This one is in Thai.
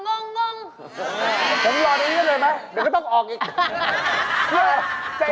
ถึงรอทีนี้ได้ไหมเดี๋ยวก็ต้องออกอีก